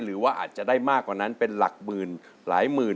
หรือว่าอาจจะได้มากกว่านั้นเป็นหลักหมื่นหลายหมื่น